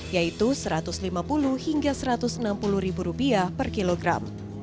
yaitu rp satu ratus lima puluh hingga rp satu ratus enam puluh per kilogram